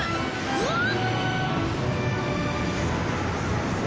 うわっ！